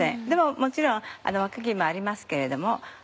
でももちろんわけぎもありますけれども。